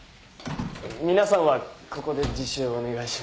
皆さんはここで自習お願いします。